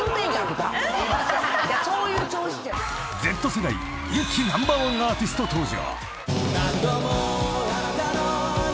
［Ｚ世代人気ナンバーワンアーティスト登場］